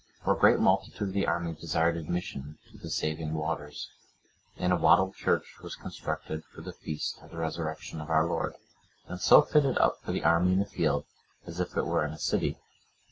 For a great multitude of the army desired admission to the saving waters, and a wattled church was constructed for the Feast of the Resurrection of our Lord, and so fitted up for the army in the field as if it were in a city.